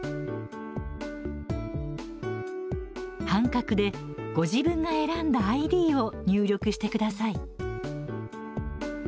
半角で、ご自分が選んだＩＤを入力してください。